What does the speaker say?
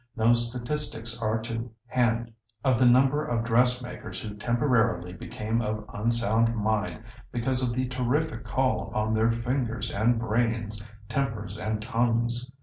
No statistics are to hand of the number of dressmakers who temporarily became of unsound mind because of the terrific call upon their fingers and brains, tempers and tongues.